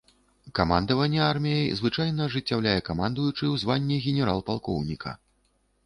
Камандаванне арміяй звычайна ажыццяўляе камандуючы ў званні генерал-палкоўніка.